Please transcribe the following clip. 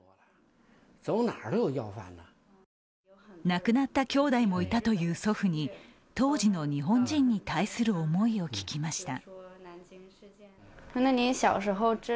亡くなったきょうだいもいたという祖父に当時の日本人に対する思いを聞きました。